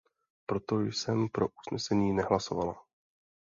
Proto jsem pro usnesení nehlasovala.